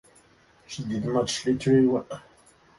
She did much literary work.